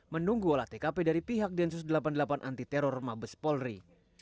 menunggu olah tkp dari pihak densus delapan puluh delapan anti teror mabes polri